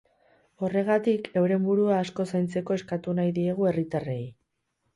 Horregatik, euren burua asko zaintzeko eskatu nahi diegu herritarrei.